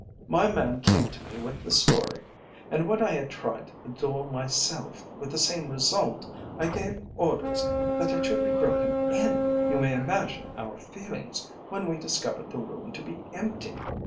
My man came to me with the story, and when I had tried the door myself with the same result, I gave orders that it should be broken in. You may imagine our feelings when we discovered the room to be empty.